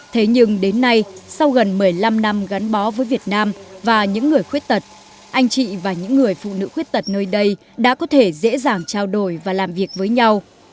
thế nhưng đến nay sau gần một mươi năm năm gắn bó với việt nam và những người khuyết tật anh chị và những người phụ nữ khuyết tật nơi đây đã có thể dễ dàng trao đổi và làm việc với nhau